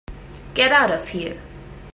Get out of here.